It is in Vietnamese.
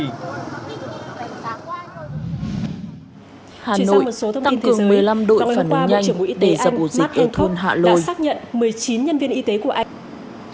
hà nội tăng cường một mươi năm đội phản ứng nhanh